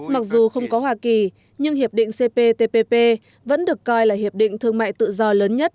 mặc dù không có hoa kỳ nhưng hiệp định cptpp vẫn được coi là hiệp định thương mại tự do lớn nhất